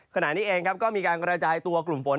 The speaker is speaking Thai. ขณะนี้เองก็มีการกระจายตัวกลุ่มฝน